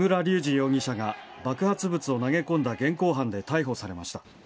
容疑者が爆発物を投げ込んだ現行犯で逮捕されました。